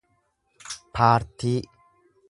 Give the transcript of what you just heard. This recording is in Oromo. paartii